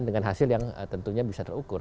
dan hasil yang tentunya bisa terukur